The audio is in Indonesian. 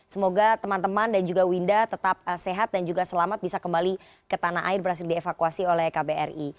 semoga teman teman dan juga winda tetap sehat dan juga selamat bisa kembali ke tanah air berhasil dievakuasi oleh kbri